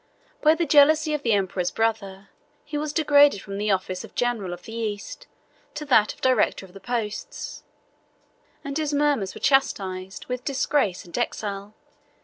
By the jealousy of the emperor's brother, he was degraded from the office of general of the East, to that of director of the posts, and his murmurs were chastised with disgrace and exile.